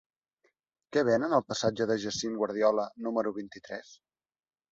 Què venen al passatge de Jacint Guardiola número vint-i-tres?